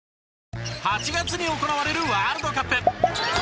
８月に行われるワールドカップ。